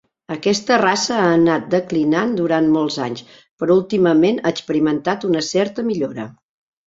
Aquesta raça ha anat declinant durant molts anys, però últimament ha experimentat una certa millora.